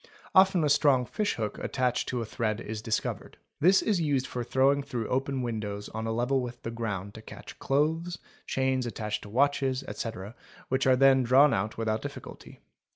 Often a strong fish hook attached to a thread is discovered. This is used for throwing through open windows on a level with the ground to catch clothes, chains attached to watches, ete., which are then drawn out without difficulty.